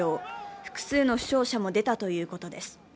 複数の負傷者も出たということです。